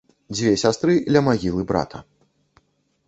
Дзве сястры ля магілы брата.